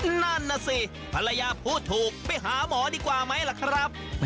นั่นน่ะสิภรรยาพูดถูกไปหาหมอดีกว่าไหมล่ะครับ